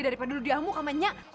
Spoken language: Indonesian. daripada lo diamu sama nya